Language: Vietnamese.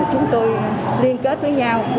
chúng tôi liên kết với nhau